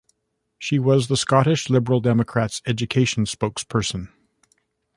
She was the Scottish Liberal Democrats' Education Spokesperson.